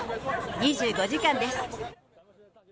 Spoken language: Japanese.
２５時間です。